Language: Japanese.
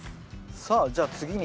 さあじゃあ次に。